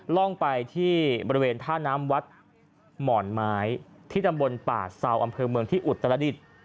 ร่องไปที่บริเวณท่าน้ำวัดหมอนไม้ที่ตำบลป่าเซาอำเภอเมืองที่อุตรดิษฐ์